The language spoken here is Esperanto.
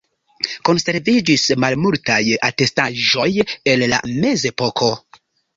Konserviĝis malmultaj atestaĵoj el la mezepoko.